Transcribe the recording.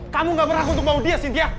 kamu nggak berhak untuk bawa dia sintia